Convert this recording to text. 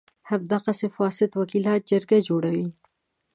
همدغه فاسد وکیلان جرګه جوړوي.